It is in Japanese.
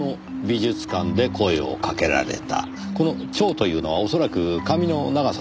この「長」というのは恐らく髪の長さです。